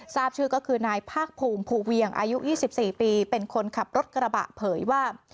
ทราบชื่อก็คือนายภาคภูมิภูเวียงอายุ๒๔ปีเป็นคนขับรถกระบะเผยว่า